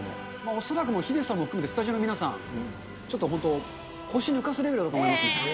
恐らくヒデさんのスタジオの皆さん、ちょっと本当、腰抜かすレベルだと思います。